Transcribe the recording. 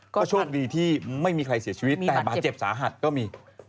ก็โชคดีที่ไม่มีใครเสียชีวิตแต่บาดเจ็บสาหัสก็มี